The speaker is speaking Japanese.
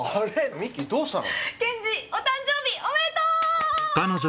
ミキどうしたの？